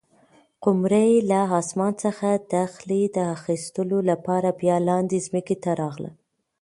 قمرۍ له اسمانه څخه د خلي د اخیستلو لپاره بیا لاندې ځمکې ته راغله.